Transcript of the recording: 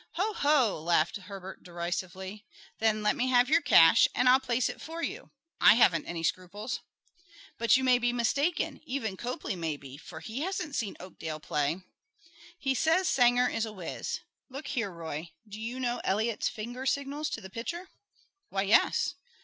"Ho! ho!" laughed Herbert derisively. "Then let me have your cash, and I'll place it for you. I haven't any scruples." "But you may be mistaken. Even Copley may be, for he hasn't seen Oakdale play." "He says Sanger is a wiz. Look here, Roy, do you know Eliot's finger signals to the pitcher?" "Why, yes."